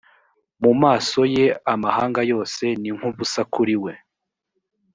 mu maso ye amahanga yose ni nk ubusa kuri we